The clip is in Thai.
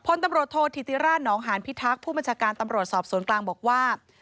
พลตำรวจโทษธิติราชนองหานพิทักษ์ผู้บัญชาการตำรวจสอบสวนกลางบอกว่า